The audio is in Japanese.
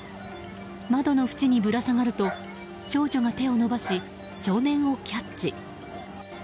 窓の縁にぶら下がると少女が手を伸ばし少年をキャッチ。